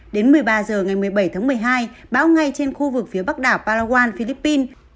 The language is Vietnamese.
đến một mươi ba h ngày một mươi bảy tháng một mươi hai bão ngay trên khu vực phía bắc đảo parawan philippines